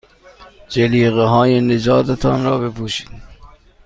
جلیقههای نجات تان را بپوشید.